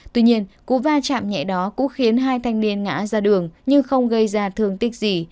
tuy nhiên cú va chạm nhẹ đó cũng khiến hai thanh niên ngã ra đường nhưng không gây ra thương tích gì